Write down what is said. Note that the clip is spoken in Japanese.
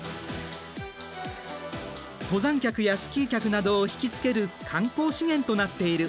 登山客やスキー客などを引きつける観光資源となっている。